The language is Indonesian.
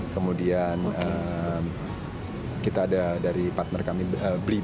kemudian kita ada dari partner kami blin